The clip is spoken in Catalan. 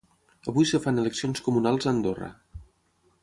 Avui es fan eleccions comunals a Andorra.